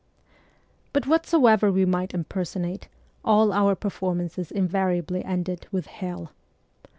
' But whatsoever we might impersonate, all our performances invariably ended with hell.